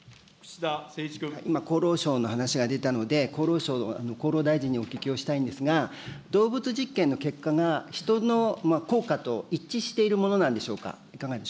今、厚労省の話が出たので、厚労大臣にお聞きをしたいんですが、動物実験の結果が、人の効果と一致しているものなんでしょうか。